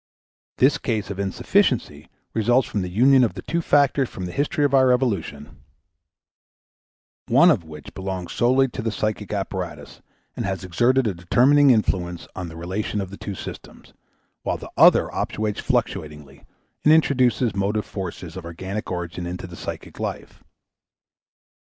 This case of insufficiency results from the union of the two factors from the history of our evolution; one of which belongs solely to the psychic apparatus and has exerted a determining influence on the relation of the two systems, while the other operates fluctuatingly and introduces motive forces of organic origin into the psychic life.